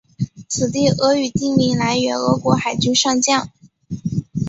此地俄语地名来源俄国海军上将。